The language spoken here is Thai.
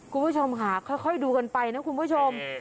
คุณผู้ชมค่ะค่อยดูกันไปนะคุณผู้ชม